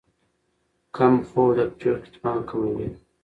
کم خوب د پرېکړې توان کموي.